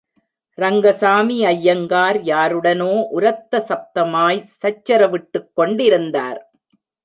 ரங்கசாமி ஐயங்கார், யாருடனோ உரத்த சப்தமாய்ச் சச்சரவிட்டுக் கொண்டிருந்தார்.